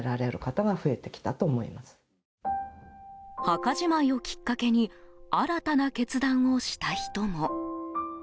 墓じまいをきっかけに新たな決断をした人も。